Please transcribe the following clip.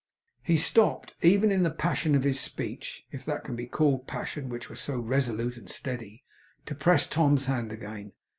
He stopped, even in the passion of his speech if that can be called passion which was so resolute and steady to press Tom's hand again.